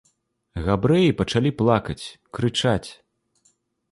Габрэі пачалі плакаць, крычаць.